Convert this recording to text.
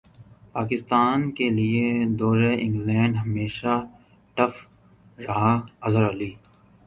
پاکستان کیلئے دورہ انگلینڈ ہمیشہ ٹف رہا اظہر علی